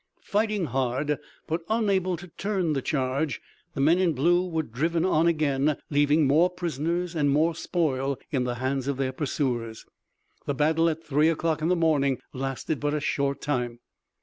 Fighting hard, but unable to turn the charge, the men in blue were driven on again, leaving more prisoners and more spoil in the hands of their pursuers. The battle at three o'clock in the morning lasted but a short time.